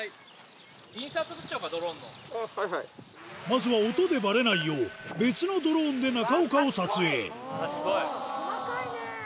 まずは音でバレないよう別のドローンで中岡を撮影細かいね！